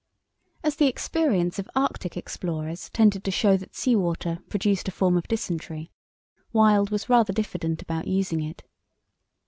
As the experience of Arctic explorers tended to show that sea water produced a form of dysentery, Wild was rather diffident about using it.